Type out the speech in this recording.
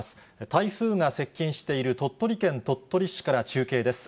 台風が接近している鳥取県鳥取市から中継です。